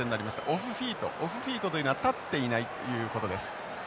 オフフィートオフフィートというのは立っていないということです。